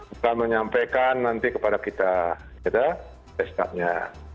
akan menyampaikan nanti kepada kita ya kan testapnya